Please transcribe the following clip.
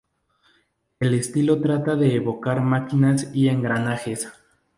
El estilo trata de evocar máquinas y engranajes.